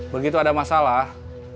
begitu ada masalah